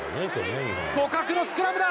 互角のスクラムだ。